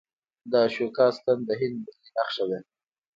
د اشوکا ستن د هند ملي نښه ده.